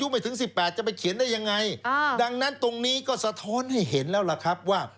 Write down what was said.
มันให้เห็นแล้วล่ะครับว่า